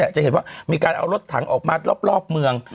จะเห็นว่ามีการเอารถถังออกมารอบเมือง